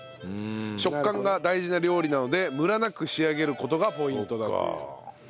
食感が大事な料理なのでムラなく仕上げる事がポイントだという。